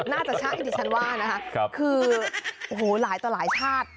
น่าจะชั้นว่านะครับคือหลายต่อหลายชาติ